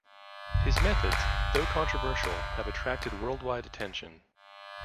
His methods, though controversial, have attracted worldwide attention.